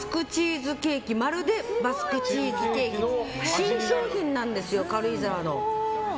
まるでバスクチーズケーキの新商品なんですよ、軽井沢の。